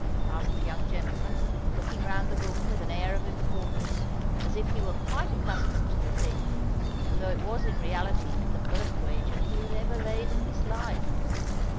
asked the young gentleman, looking round the room with an air of importance, as if he were quite accustomed to the thing, although it was in reality the first wager he had ever laid in his life.